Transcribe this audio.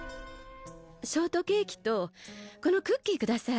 ショートケーキとこのクッキーください。